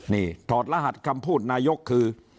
นี่ถอดรหัสคำพูดนายกคือ